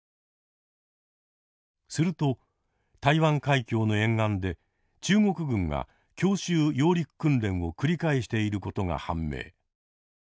すると台湾海峡の沿岸で中国軍が強襲揚陸訓練を繰り返していることが判明。